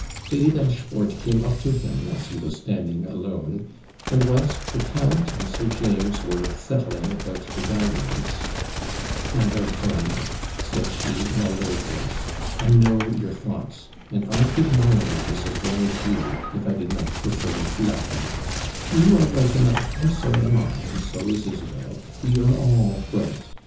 Lady Dashfort came up to him as he was standing alone; and, whilst the count and Sir James were settling about the diamonds 'My Lord Colambre,' said she, in a low voice, 'I know your thoughts, and I could moralise as well as you, if I did not prefer laughing you are right enough; and so am I, and so is Isabel; we are all right.